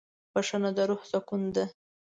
بښنه د روح سکون ده.